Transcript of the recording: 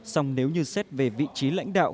xong nếu như xét về vị trí lãnh đạo